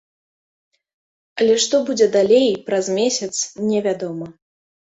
Але што будзе далей, праз месяц, невядома.